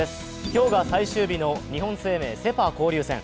今日が最終日の日本生命セ・パ交流戦。